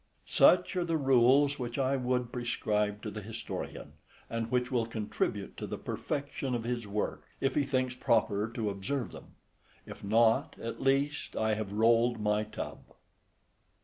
Such are the rules which I would prescribe to the historian, and which will contribute to the perfection of his work, if he thinks proper to observe them; if not, at least, I have rolled my tub.